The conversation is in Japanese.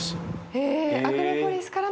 へえ。